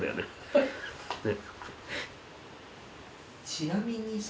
ちなみにさ。